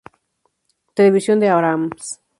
Television de Abrams.